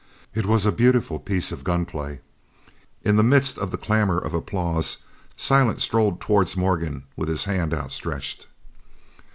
It was a beautiful piece of gun play. In the midst of the clamour of applause Silent strode towards Morgan with his hand outstretched.